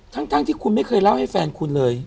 ทั้งที่คุณไม่เคยเล่าให้แฟนคุณเลย